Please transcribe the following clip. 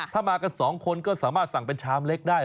ถ้ามากัน๒คนก็สามารถสั่งเป็นชามเล็กได้